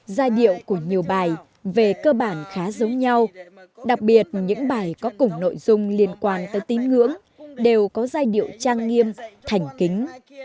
giai điệu của nhiều bài về cơ bản khá giống nhau đặc biệt những bài có cùng nội dung liên quan tới tín ngưỡng đều có giai điệu trang nghiêm thành kính